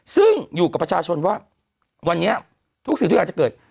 ซึ่งอยู่กับประชาชนว่าวันนี้ทุกสิ่งที่อาจจะเกิด